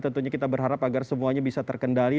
tentunya kita berharap agar semuanya bisa terkendali